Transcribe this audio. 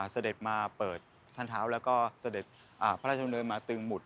เสด็จมาเปิดท่านเท้าแล้วก็เสด็จพระราชดำเนินมาตึงหุด